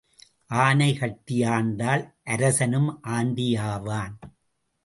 ஆனை கட்டி ஆண்டால் அரசனும் ஆண்டி ஆவான்.